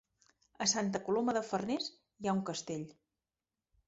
A Santa Coloma de Farners hi ha un castell.